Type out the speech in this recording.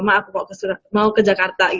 maaf mau ke jakarta